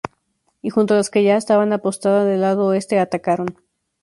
Y junto las que ya estaban apostada del lado Oeste atacaron.